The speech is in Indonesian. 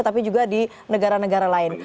tapi juga di negara negara lain